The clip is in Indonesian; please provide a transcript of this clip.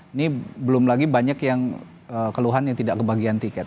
ini belum lagi banyak yang keluhan yang tidak kebagian tiket